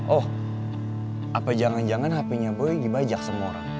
oh apa jangan jangan hpnya boy dibajak sama orang